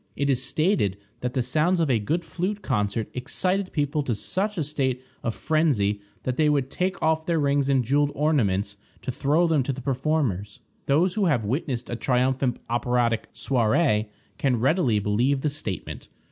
It is stated that the sounds of a good flute concert excited people to such a state of phrensy that they would take off their rings and jeweled ornaments to throw them to the performers: those who have witnessed a triumphant operatic soirée can readily believe the statement.